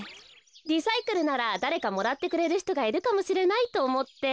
リサイクルならだれかもらってくれるひとがいるかもしれないとおもって。